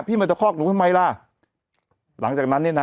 มันจะคอกหนูทำไมล่ะหลังจากนั้นเนี่ยนะ